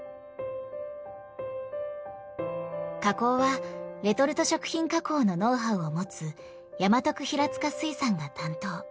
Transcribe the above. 加工はレトルト食品加工のノウハウを持つ山徳平塚水産が担当。